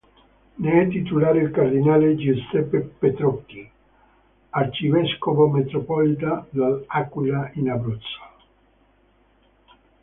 Ne è titolare il cardinale Giuseppe Petrocchi, arcivescovo metropolita dell'Aquila in Abruzzo.